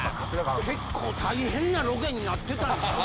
結構大変なロケになってたんや。